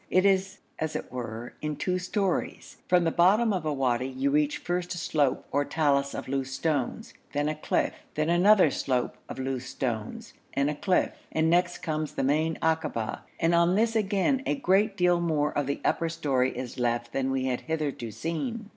It is as it were in two stories. From the bottom of a wadi you reach first a slope or talus of loose stones, then a cliff, then another slope of loose stones and a cliff, and next comes the main akaba, and on this again a great deal more of the upper story is left than we had hitherto seen.